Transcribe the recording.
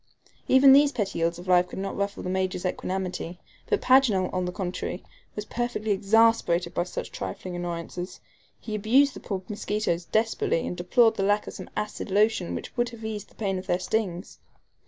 Even these petty ills of life could not ruffle the Major's equanimity; but Paganel, on the contrary, was perfectly exasperated by such trifling annoyances. He abused the poor mosquitoes desperately, and deplored the lack of some acid lotion which would have eased the pain of their stings.